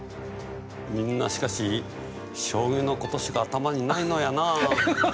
みんなしかし将棋のことしか頭にないのやなあ。